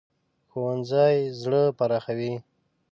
ښوونځی زړه پراخوي